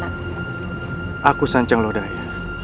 aku sanjang lo daya